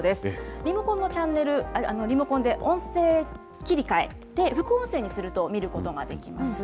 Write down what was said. リモコンのチャンネル、リモコンで音声切り替えで副音声にすると見ることができます。